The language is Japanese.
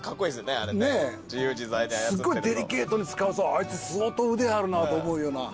すごいデリケートに使うぞあいつ相当腕あるなと思うような。